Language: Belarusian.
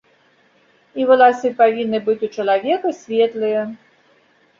І валасы павінны быць у чалавека светлыя.